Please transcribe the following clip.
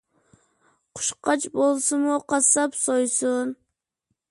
قۇشقاچ بولسىمۇ قاسساپ سويسۇن.